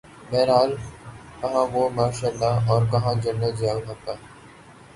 بہرحال کہاںوہ martial law اورکہاں جنرل ضیاء الحق کا۔